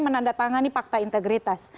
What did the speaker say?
menandatangani pakta integritas